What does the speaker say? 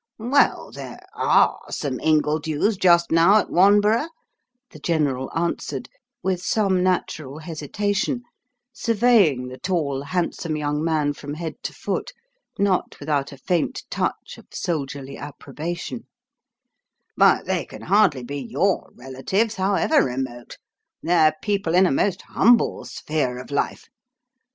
"Well, there ARE some Ingledews just now at Wanborough," the General answered, with some natural hesitation, surveying the tall, handsome young man from head to foot, not without a faint touch of soldierly approbation; "but they can hardly be your relatives, however remote.... They're people in a most humble sphere of life.